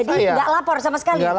jadi gak lapor sama sekali